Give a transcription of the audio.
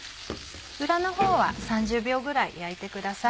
裏の方は３０秒ぐらい焼いてください。